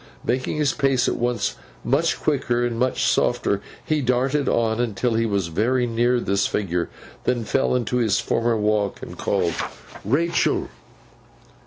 Making his pace at once much quicker and much softer, he darted on until he was very near this figure, then fell into his former walk, and called 'Rachael!